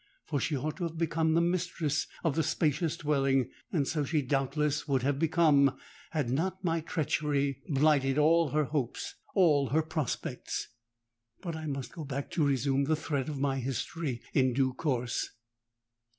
For she ought to have become the mistress of the spacious dwelling;—and so she doubtless would have become, had not my treachery blighted all her hopes—all her prospects! But I must go back to resume the thread of my history in due course.